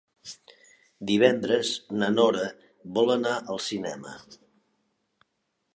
Divendres na Nora vol anar al cinema.